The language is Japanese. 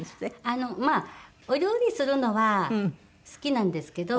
まあお料理するのは好きなんですけど。